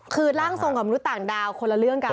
คือร่างทรงกับมนุษย์ต่างดาวคนละเรื่องกัน